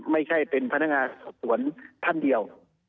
ไม่ใช่เป็นพนักงานสอบสวนท่านเดียว